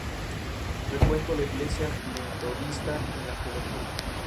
Fundó una empresa de consultoría que funcionaba en la casa de sus padres.